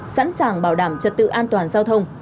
sẵn sàng bảo đảm trật tự an toàn giao thông